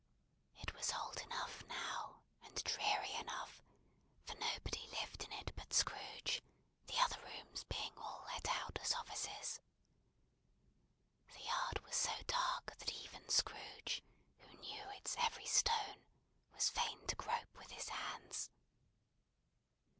It was old enough now, and dreary enough, for nobody lived in it but Scrooge, the other rooms being all let out as offices. The yard was so dark that even Scrooge, who knew its every stone, was fain to grope with his hands.